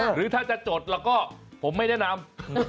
หรือถ้าจะจดแล้วก็ผมไม่แนะนำ